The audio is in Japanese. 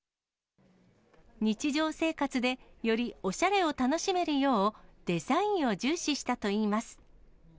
日常生活でよりおしゃれを楽しめるよう、デザインを重視したといいます。